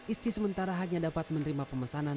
isti sementara hanya dapat menerima pemesanan